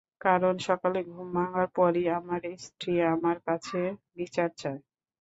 কারণ সকালে ঘুম ভাঙার পরই আমার স্ত্রী আমার কাছে বিচার চায়।